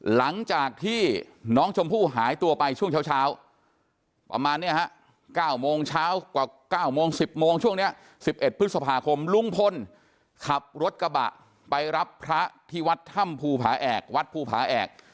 หลังจากที่น้องชมพู่หายตัวไปช่วงเช้าประมาณนี้ฮะ๙โมงเช้ากว่า๙โมง๑๐โมงช่วงนี้๑๑พฤษภาคมลุงพลขับรถกระบะไปรับพระที่วัดถ้ำภูผาแอกวัดภูผาแอก